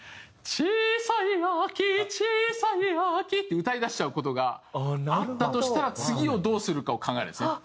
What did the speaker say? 「ちいさい秋ちいさい秋」って歌い出しちゃう事があったとしたら次をどうするかを考えるんですね。